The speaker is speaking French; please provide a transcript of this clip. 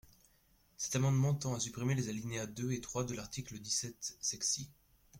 Cet amendement tend à supprimer les alinéas deux et trois de l’article dix-sept sexies.